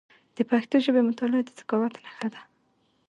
د پښتو ژبي مطالعه د ذکاوت نښه ده.